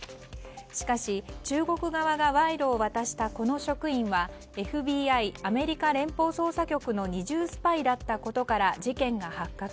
しかし、中国側が賄賂を渡したこの職員はＦＢＩ・アメリカ連邦捜査局の二重スパイだったことから事件が発覚。